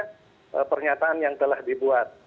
ini adalah pernyataan yang telah dibuat